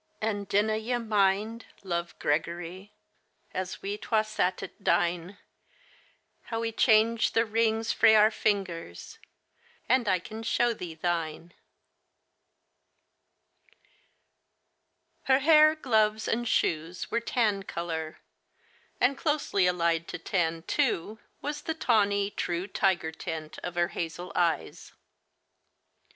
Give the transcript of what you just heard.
*' And dinna ye mind, love Gregory, As we twa sate at dine, How we changed the rings frae our fingers, And I can show thee thine ?^ Her hair, gloves, and shoes were tan color, and closely allied to tan, too, was the tawny, true tiger tint of her hazel eyes.